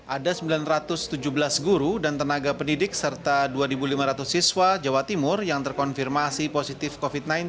ada sembilan ratus tujuh belas guru dan tenaga pendidik serta dua lima ratus siswa jawa timur yang terkonfirmasi positif covid sembilan belas